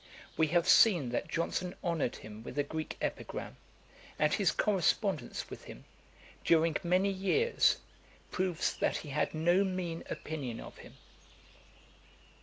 We have seen that Johnson honoured him with a Greek Epigram; and his correspondence with him, during many years, proves that he had no mean opinion of him.